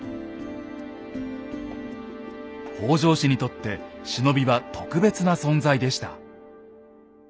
北条氏にとって忍びは特別な存在でした。